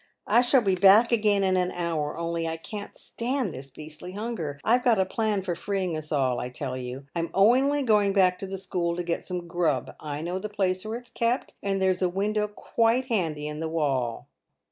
" I shall be back again in an hour, only I can't stand this beastly hunger. I've got a plan for freeing us all, I tell you. . I'm only going back to the school to get some grub. I know the place where it's kept, and there's a window quite handy in the wall.